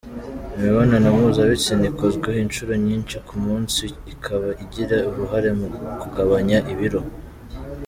Imibonano mpuzabitsina ikozwe inshuro nyinshi ku munsi ikaba igira uruhare mu kugabanya ibiro.